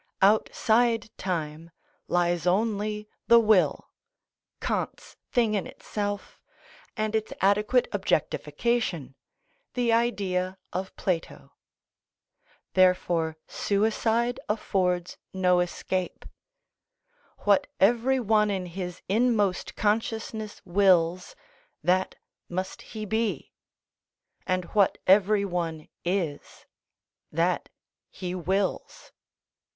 Outside time lies only the will, Kant's thing in itself, and its adequate objectification, the Idea of Plato. Therefore suicide affords no escape; what every one in his inmost consciousness wills, that must he be; and what every one is, that he wills.